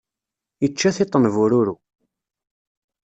Ičča tiṭ n bururu.